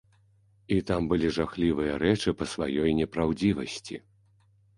І там былі жахлівыя рэчы па сваёй непраўдзівасці.